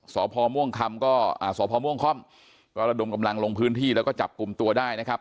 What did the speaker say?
สอพอม่วงคอมก็ระดมกำลังลงพื้นที่แล้วก็จับกลุ่มตัวได้นะครับ